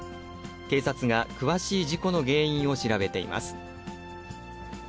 警察が詳しい事故の原因を調べています。